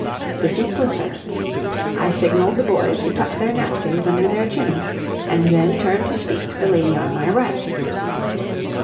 The soup was served. I signaled the boys to tuck their napkins under their chins, and then turned to speak to the lady on my right.